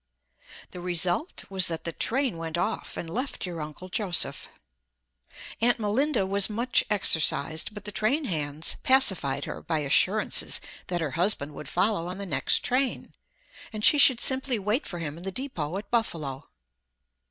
The result was that the train went off and left your Uncle Joseph. Aunt Melinda was much exercised, but the train hands pacified her by assurances that her husband would follow on the next train, and she should simply wait for him in the depot at Buffalo.